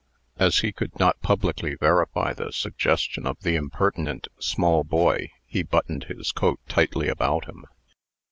As he could not publicly verify the suggestion of the impertinent small boy, he buttoned his coat tightly about him.